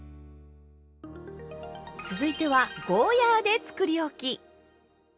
続いてはゴーヤーでつくりおき。